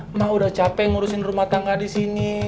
emak udah capek ngurusin rumah tangga disini